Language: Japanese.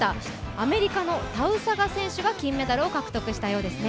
アメリカのタウサガ選手が金メダルを獲得したようですね。